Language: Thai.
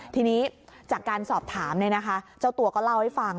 ทีนี้จากการสอบถามเจ้าตัวก็เล่าให้ฟัง